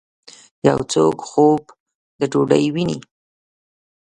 یو څوک خوب د ډوډۍ وویني